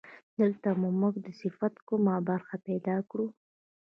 دلته به موږ د صفت کومه خبره پیدا کړو.